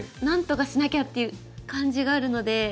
なんとかしなきゃっていう感じがあるので。